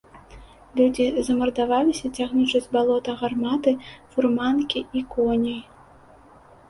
Людзі замардаваліся, цягнучы з балота гарматы, фурманкі і коней.